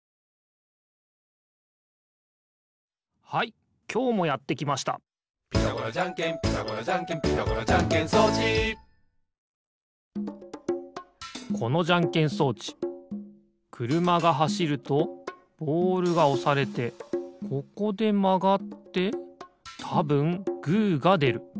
はいきょうもやってきました「ピタゴラじゃんけんピタゴラじゃんけん」このじゃんけん装置くるまがはしるとボールがおされてここでまがってたぶんグーがでる。